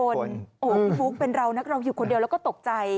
โอ้โหพี่ฟุ๊กเป็นเรานักเราอยู่คนเดียวแล้วก็ตกใจ